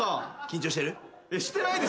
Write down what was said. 緊張してる？